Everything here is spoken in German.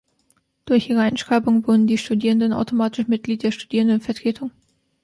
Durch ihre Einschreibung wurden die Studierenden automatisch Mitglied der Studierendenvertretung.